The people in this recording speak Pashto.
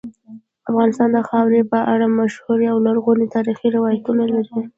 افغانستان د خاورې په اړه مشهور او لرغوني تاریخی روایتونه لري.